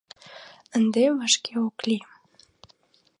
Ынде вашке ок лий...